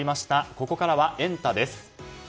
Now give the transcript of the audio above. ここからはエンタ！です。